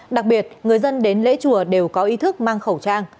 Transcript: đặc biệt người dân đến lễ chùa đều có ý thức mang khẩu trang